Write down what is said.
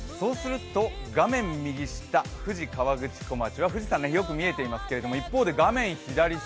画面右下、富士河口湖町は富士山がよく見えていますけれども、一方で画面の左下